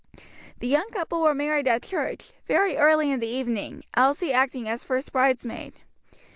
The young couple were married at church, very early in the evening, Elsie acting as first bridesmaid.